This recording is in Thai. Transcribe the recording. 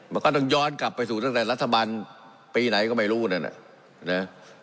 มันก็ต้องย้อนกลับไปสู่ตั้งแต่รัฐบาลปีไหนก็ไม่รู้นั่นน่ะนะ